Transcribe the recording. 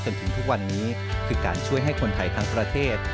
จนถึงทุกวันนี้คือการช่วยให้คนไทยทั้งประเทศ